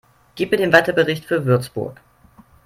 Gib mir den Wetterbericht für Würzburg